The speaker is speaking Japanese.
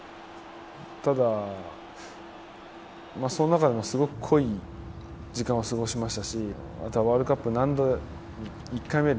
ただ、その中でもすごく濃い時間を過ごしましたしワールドカップ、何度１回目より